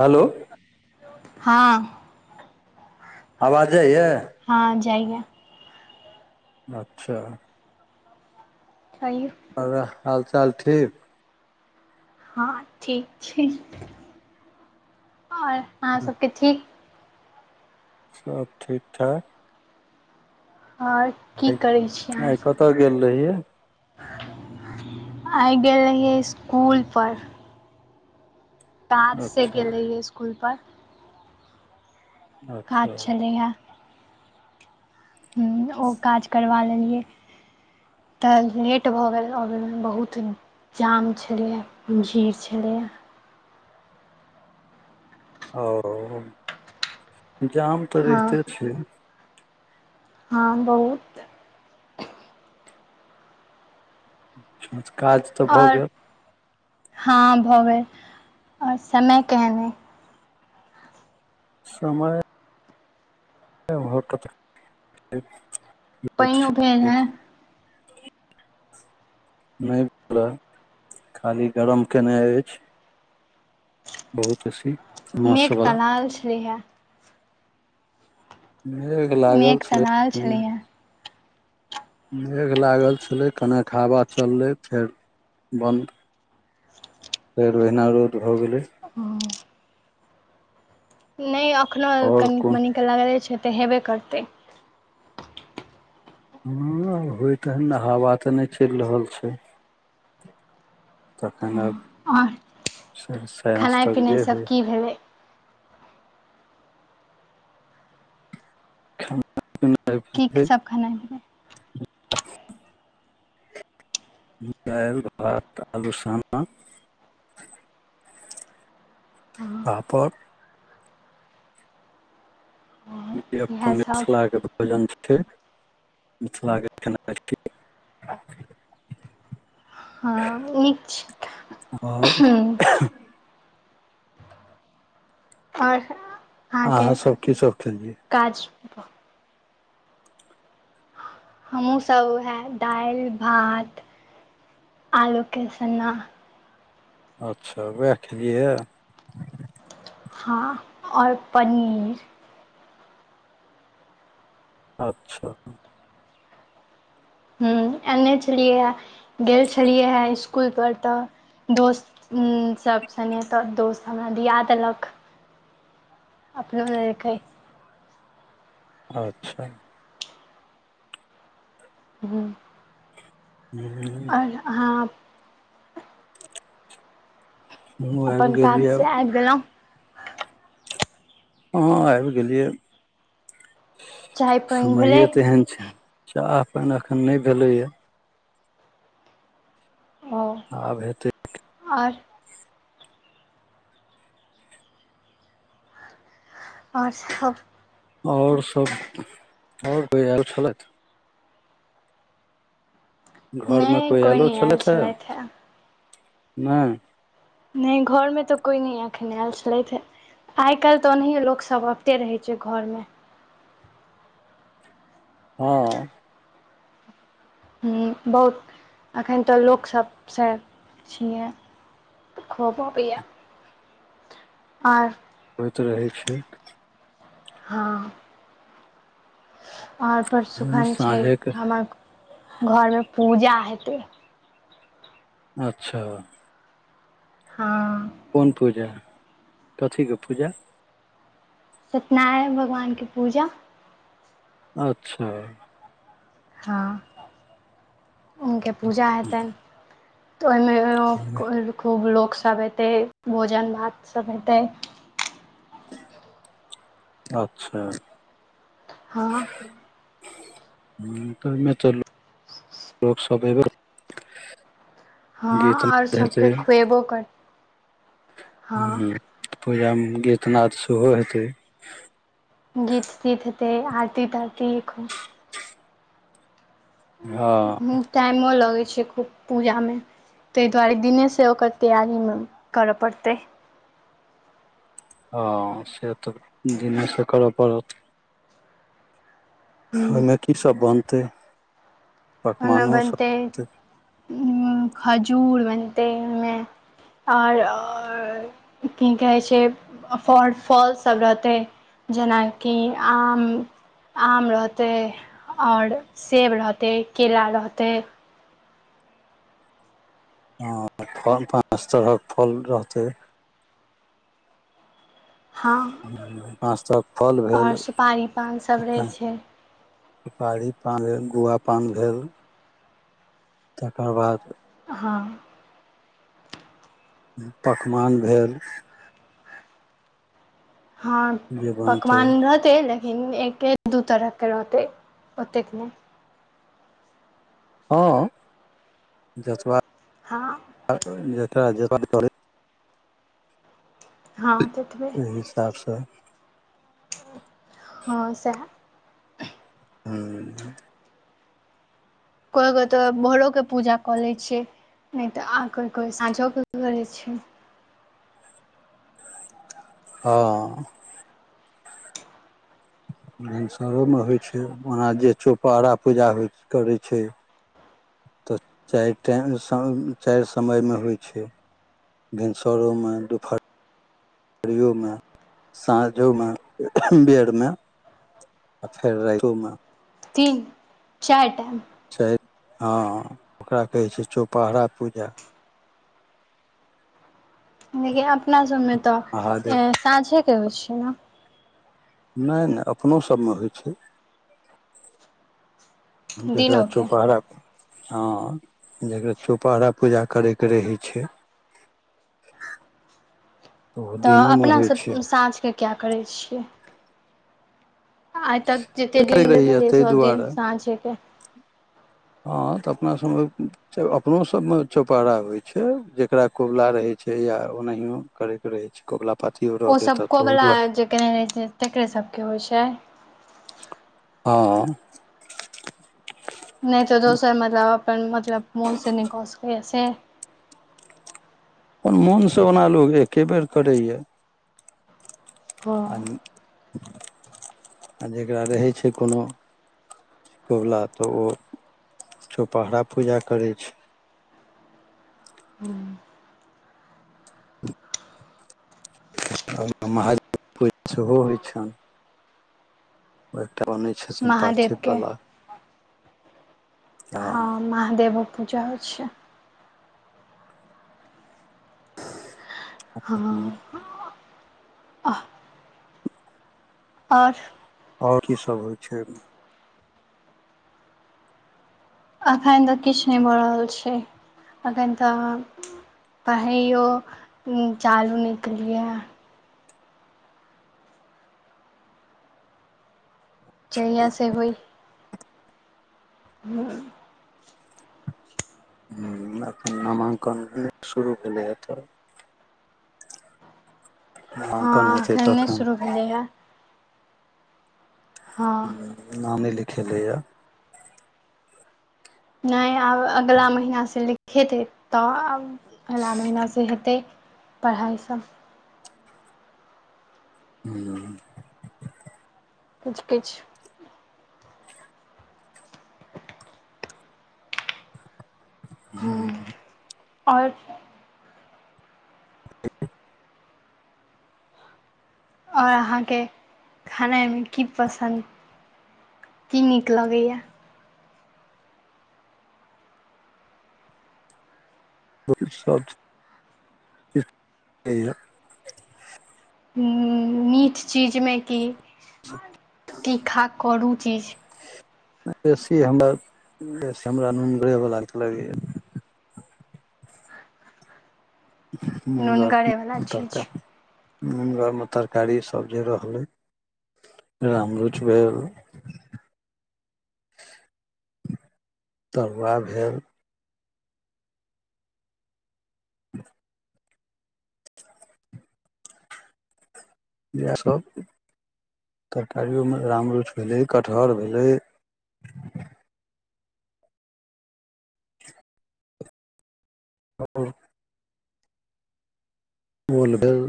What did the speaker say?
Hello हँ आवाज जाइये हँ जाइया अच्छा खइ [unintelligible] आओर हाल चाल ठीक हँ ठीक छै आओर अहाँ सबके ठीक सब ठीक ठाक आओर की करै छी आइ अहाँसभ कतऽ गेल रहियै आइ गेलै रहिये स्कूल पर ताज सँ अच्छा गेलैइए स्कूल पर अच्छा काज छलैएे ओ काज करबा लेलियै तऽ लेट भऽ गेल अबैमे बहुत जाम छलै भीड़ छलैए ओ जाम तऽ हँ रहिते छै हँ बहुत छ काज तऽ भऽ आओर गेल हँ भऽ गेल आओर समय केहेन अए समय मुहत क। पानो भेल है [unintelligible] नहि प खाली गरम केने अछि बहुत अछी मेघ त लागल छलैहे मेघ लागल मेघ तऽ छय लागल छलैए मेघ लागल छलै कनेाक हवा चललै फेर बन्द फेर ओहिना रोद भ गेलै ओ नहि एखनो आओर कनि कोन मनिक लगलै छै तऽ हेबे करतै हँ होय तहन ने हवा तऽ नहि चलि रहल छै। तखन आब आओर त खेनाइ पिनाइ जे होइ [unintelligible] खाना पीना भेलै [unintelligible] दालि भात आलू साना पापड़ जे अपन इएहसभ मिथिलाके भोजन छै मिथिलाके केना हँ नीक छै तऽ आओर हुँ। और आहा सब की सब खेलिय काज हमहूँसभ वएह दालि भात आलूके सन्ना अच्छा उएह खेलियै ह हँ आओर पनीर अच्छा ह एने छलियै हे गेल छलियै हे इसकुल पर तऽ दोस्त सभ सनेे तऽ दोस्त हमरा दिया देलक अपनो लेलकैय। अच्छा हूँ हू आहाँ क अपन काजसँ आबि गेलहुँ हँ आबि गेलियै चाय पानि भेलै समाये तऽ तेहन छै। चाह पानि अखन नहि भेलैएा ह आब हेतै आय आचाह आओर सब आओर कोइ आयल छलथि घर मे नहि कोई कोइ आलो नहि आयल छलै छै छलथि हे नहि नहि घरमे तऽ कोइ नहि एखन आयल छलथि है आइ काल्हि तऽ ओनाहिये लोकसभ अबिते रहै छै घरमे हँ हुम् बहुत एखन तऽ लोकसभसँ छियै खब बैया आर होइत रहै छै हँ आर प्रसुखन छै साँझेके हमर घरमे पूजा हेतै अच्छा हँ कोन पूजा कथीके पूजा सत्यनारायण भगवानके पूजा अच्छा हँ हुनके पूजा हेतनि तऽ ओहिमे खूब लोक सब अतै भोजन भात सब हेतै अच्छा हँ हुनकर मे त लोक सब एबे हँ गि तु आओर ते सभके तैया खुएबो कर हँ पूजामे गीतनाद सेहो हेतै गीत तीत हेतै आरती तारती खू हँ टाइमो लगै छै खूब पूजामे ताहि दुआरे दिनेसँ ओकर तैयारीमे करऽ पड़तै हँ से तऽ दिनेसँ करऽ पड़त खाइमे ओहिमे कीसभ बनतै ओमे पकवानो बनते सब खजूर बनते ओमे आओर की कहै छै फफर फॉलसभ रहतै जेनाकि आम आम रहतै आओर सेब रहतै केरा रहतै हँ त फल त पाँच तरहक फल रहतै हँ पाँच तरहक फल आओर भेल सुपारी पान सब रहै तें छै सुपारी पान भेल गुआ पान भेल तकर बाद हँ पकवान भेल हँ जे बनतै पकवान रहत ओते नहि एके दू तरहके रहतै ओतेक नहि हँ जतआ हँ जतरा जेना करय हँ ततबे ओ हिसाबसँ हँ सएह हू कोइ गोइ तऽ भोरोके पूजा कऽ लै छिय नहि तऽ आ कोइ कोइ साँझोे करै छै हँ भिनसरोमे होइ छै ओना जे चौपहहारा पूजा होइत करै छै। तऽ चारि टाइम चारि समयमे होइ छै। भिनसरो में दुपहर पियोमे साँझोमे बेएर मे। आ फेर रातोमे। तीन चारि टा छै हँ ओकरा कहै छै चौपहरा पूजा। लेकिन अपना सबमे तऽ महादेव साँझेके होइ छैै। नहि नहि अपनो सभमे होइ छै। जेकरा दिनोके चौपहरा हँ जकरा चौपहरा पूजा करे के रहै छै। [inaudible] तऽ दिनोमे अपना होइ सब छै सांझ के किया करै छियै। आइ तक जते दिन रहैया देखलियै ताहि सब दिन दुआरे साँझे के हँ तऽ अपना सब में त अपनोसभमे चौपहारा होइ छै जकरा कोबला रहै छै या ओनाहिओ करै रहै छै कोबला पतियो रहलै ओसभ तऽ त कोबला दूर जे केने रहय छै, तकरे सबके होइ छै। हँ। नहि तऽ दोसर मतलब अपन मतलब मोन से नय सकैया से अपन मोनसँ ओना लोक एके बेर करैए हँ आ जेकरा रहै छै कोनो कोबला तऽ ओ चौपहरा पूजा करै छै। हूं। महादेव पूजा सेहो होइ छैन। ओ एकटा बनै छथिन पार्थिव महादेवके बला हँ महादेवो पूजा होइ छै। हँ। ओर। ओर की सब होइ छै। अखन तऽ किछ नहि भऽ रहल छै एखन तऽ पढ़ायो चालू नै कलियै हँ। जहिया से होहि हू। एखन नामांकन नय शुरू भेलैए तऽ हँ नामांकन हेतै एखन नहि तखन शुरू भेलैए। हँ नाम नय लिखेले य। नहि आब अगलाा महीनासँ लिखेतै तऽ अगला महीनासँ हेतै। पढ़ाई सभ हू। किछ किछ [inaudible] हूं ओर [inaudible] ओर अहाँके खनाई मे की पसन्द की नीक लगैय। ब सब चीज [unintelligible] नीक लगेया। मीठ चीजमे की तीखा करू चीज बेसी हमरा, बेसी हमरा नूनगरे बला निक लगैये। नूनगर नुनगरेवला चीज में, नूनगरमे तरकारी सब जे रहलै रामरुच भेल। तरुआ भेल। [inaudible] येह सब। तरकारियो में रामरुच भेलै, कटहर भेलै। होउ। ओल भेल।